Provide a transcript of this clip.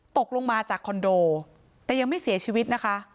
ตกลงมาจากคอนโดแต่ยังไม่เสียชีวิตนะคะ